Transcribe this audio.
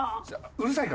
うるさい？